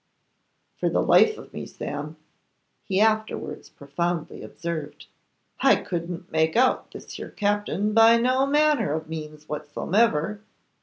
'For the life of me, Sam,' he afterwards profoundly observed, 'I couldn't make out this here Captain by no manner of means whatsomever.